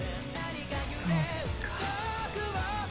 そうですか。